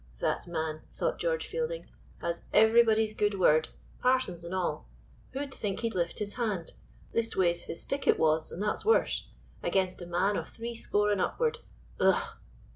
that man," thought George Fielding, "has everybody's good word, parson's and all who'd think he'd lift his hand, leastways his stick it was and that's worse, against a man of three score and upward Ugh!"